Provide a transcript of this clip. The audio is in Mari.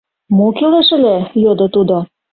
— Мо кӱлеш ыле? — йодо тудо.